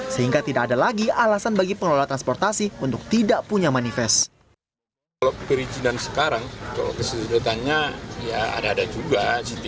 sehingga tidak ada lagi alasan bagi pengelola transportasi untuk tidak punya manifest